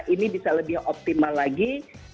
ini bisa lebih optimal lagi